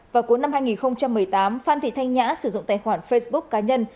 vào cuối năm hai nghìn một mươi tám phan thị thanh nhã sử dụng tài khoản facebook cá nhân